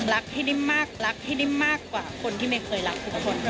รักให้ได้มากรักให้ได้มากกว่าคนที่เมย์เคยรักทุกคน